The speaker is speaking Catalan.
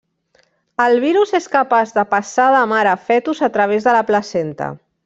El virus és capaç de passar de mare a fetus a través de la placenta.